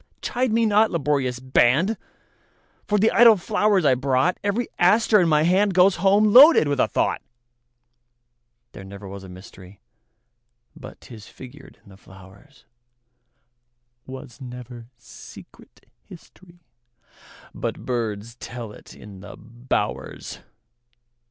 Chide me not, laborious band, For the idle flowers I brought; Every aster in my handGoes home loaded with a thought. There was never mysteryBut 'tis figured in the flowers; SWas never secret historyBut birds tell it in the bowers.